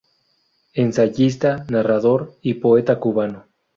Ensayista, narrador y poeta cubano.